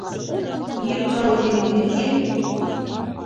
Ир ҡарауы еңелме һиңә!